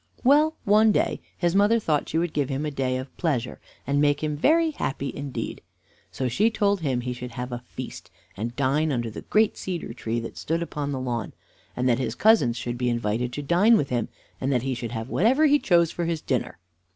Well, one day his mother thought she would give him a day of pleasure, and make him very happy indeed, so she told him he should have a feast, and dine under the great cedar tree that stood upon the lawn, and that his cousins should be invited to dine with him, and that he should have whatever he chose for his dinner.